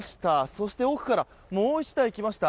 そして、奥からもう１台来ました。